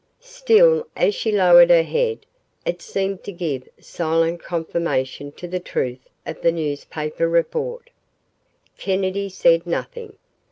Still, as she lowered her head, it seemed to give silent confirmation to the truth of the newspaper report. Kennedy said nothing.